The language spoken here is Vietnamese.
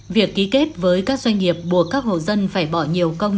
việc ký kết với các doanh nghiệp buộc các hộ dân phải bỏ nhiều công